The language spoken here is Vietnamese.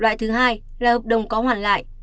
loại thứ hai là hợp đồng có hoàn lại